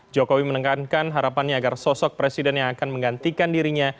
jokowi menekankan harapannya agar sosok presiden yang akan menggantikan dirinya